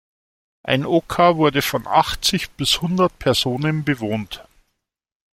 Ein Oca wurde von achtzig bis hundert Personen bewohnt.